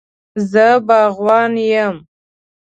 زه باغوان یم